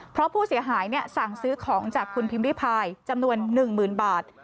เพราะผู้เสียหายสั่งซื้อของจากคุณพิมพิพายจำนวน๑๐๐๐บาท